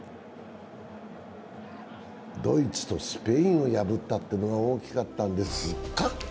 ドイツとスペインを破ったというのが大きかったんですか？